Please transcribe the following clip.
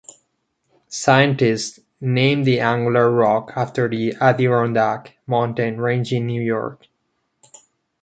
Scientists named the angular rock after the Adirondack mountain range in New York.